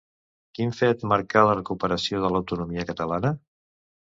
Quin fet marcà la recuperació de l'autonomia catalana?